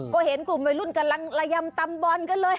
ก็เห็นกลุ่มวัยรุ่นกำลังระยำตำบอลกันเลย